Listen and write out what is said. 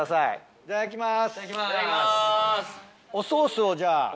いただきます。